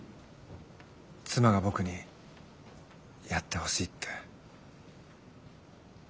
妻が僕にやってほしいって。